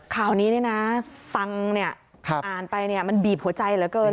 ข่าวนี้เนี่ยนะฟังเนี่ยอ่านไปเนี่ยมันบีบหัวใจเหลือเกิน